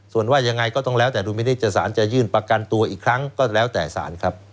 ส่วนว่ายังไงก็ต้องแล้วแต่ดุลมินิษฐศาลจะยื่นประกันตัวอีกครั้งก็แล้วแต่สารครับ